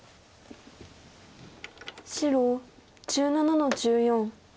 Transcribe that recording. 白１７の十四。